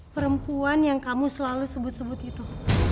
perempuan yang kamu selalu sebut sebut itu